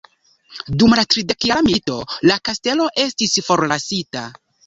Dum la tridekjara milito la kastelo estis forlasita.